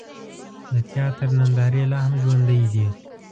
د تیاتر نندارې لا هم ژوندۍ دي.